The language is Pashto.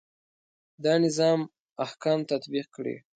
دا نظام احکام تطبیق کړي.